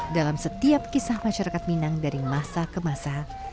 dalam setiap kisah masyarakat minang dari masa ke masa